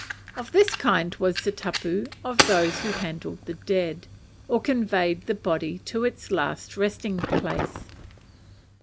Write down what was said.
Of this kind was the tapu of those who handled the dead, or conveyed the body to its last resting place.